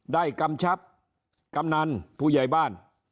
กำชับกำนันผู้ใหญ่บ้าน